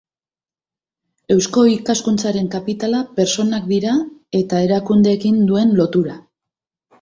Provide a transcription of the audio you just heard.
Eusko Ikaskuntzaren kapitala pertsonak dira eta erakundeekin duen lotura.